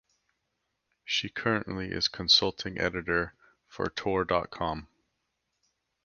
She currently is consulting editor for Tor dot com.